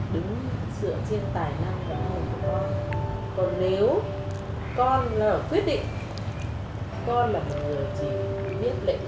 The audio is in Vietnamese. để tưởng tượng tình cảm cho mẹ